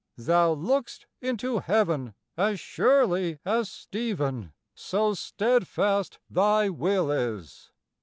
Thou look'st into heaven As surely as Stephen, So steadfast thy will is!